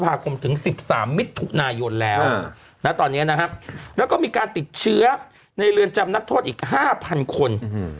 ภาคมถึง๑๓มิถุนายนแล้วนะตอนนี้นะครับแล้วก็มีการติดเชื้อในเรือนจำนักโทษอีก๕๐๐คน